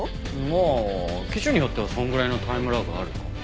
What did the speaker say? まあ機種によってはそれぐらいのタイムラグあるかも。